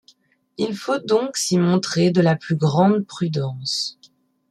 Il faut donc s'y montrer de la plus grande prudence.